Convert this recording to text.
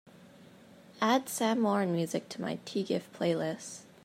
Add Sam Moran music to my tgif playlist